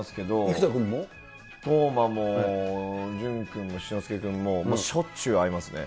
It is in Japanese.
斗真も、潤君も、七之助君も、しょっちゅう会いますね。